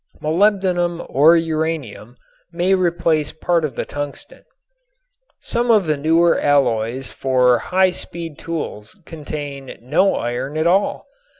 Molybdenum or uranium may replace part of the tungsten. Some of the newer alloys for high speed tools contain no iron at all.